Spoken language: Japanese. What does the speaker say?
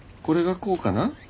これがこうかな？